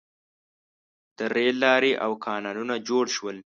• د رېل لارې او کانالونه جوړ شول.